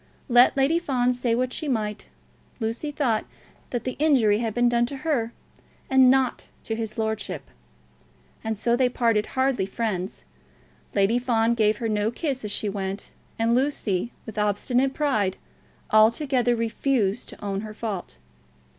Let Lady Fawn say what she might, Lucy thought that the injury had been done to her, and not to his lordship. And so they parted hardly friends. Lady Fawn gave her no kiss as she went, and Lucy, with obstinate pride, altogether refused to own her fault.